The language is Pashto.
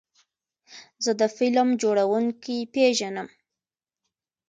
زه د فلم جوړونکي پیژنم.